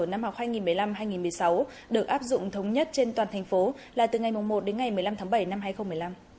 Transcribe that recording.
năm học hai nghìn một mươi năm hai nghìn một mươi sáu được áp dụng thống nhất trên toàn thành phố là từ ngày một đến ngày một mươi năm tháng bảy năm hai nghìn một mươi năm